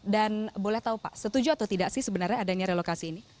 dan boleh tahu pak setuju atau tidak sih sebenarnya adanya relokasi ini